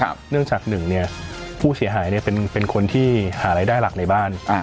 ครับเนื่องจากหนึ่งเนี่ยผู้เสียหายเนี่ยเป็นเป็นคนที่หารายได้หลักในบ้านอ่า